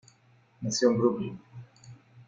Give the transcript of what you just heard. Nació en Brooklyn.